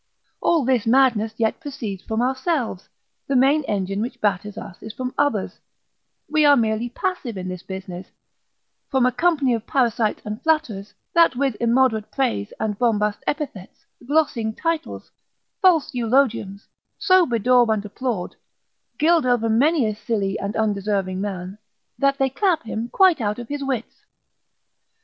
All this madness yet proceeds from ourselves, the main engine which batters us is from others, we are merely passive in this business: from a company of parasites and flatterers, that with immoderate praise, and bombast epithets, glossing titles, false eulogiums, so bedaub and applaud, gild over many a silly and undeserving man, that they clap him quite out of his wits.